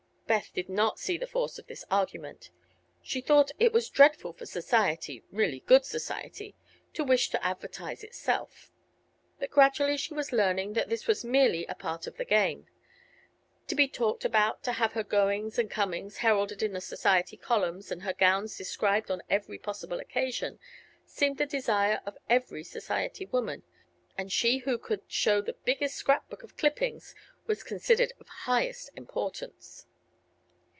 Beth did not see the force of this argument. She thought it was dreadful for society really good society to wish to advertise itself; but gradually she was learning that this was merely a part of the game. To be talked about, to have her goings and comings heralded in the society columns and her gowns described on every possible occasion, seemed the desire of every society woman, and she who could show the biggest scrap book of clippings was considered of highest importance..